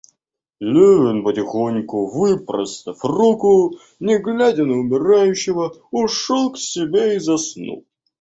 Левин, потихоньку выпростав руку, не глядя на умирающего, ушел к себе и заснул.